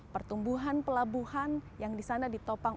pertumbuhan pelabuhan yang ditopange usual